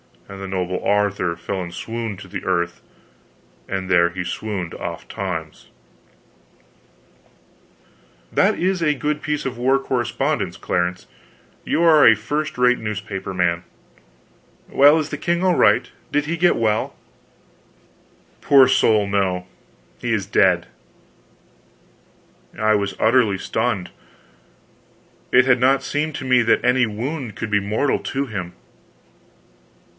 And the noble Arthur fell in a swoon to the earth, and there he swooned oft times—" "That is a good piece of war correspondence, Clarence; you are a first rate newspaper man. Well is the king all right? Did he get well?" "Poor soul, no. He is dead." I was utterly stunned; it had not seemed to me that any wound could be mortal to him.